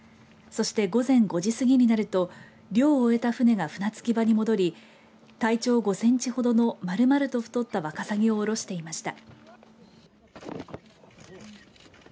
そして、午前５時過ぎになると漁を終えた船が船着き場に戻り体長５センチほどのまるまると太ったワカサギを下ろしていました。